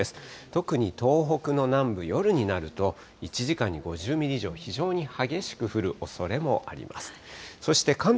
特に東北の南部、夜になると１時間に５０ミリ以上、非常に激しく降るおそれもあります。